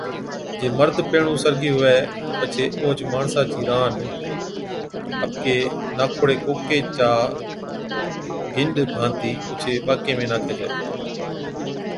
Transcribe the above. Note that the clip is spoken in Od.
جي مرد پيھڻُون سرگِي ھُوَي تہ پڇي اوھچ ماڻسا چِي رانڏ آپڪي ناکوڙي ڪوڪي چا ڳنڏ ڀانتِي اوڇي ٻاڪي ۾ ناکَي ڇَي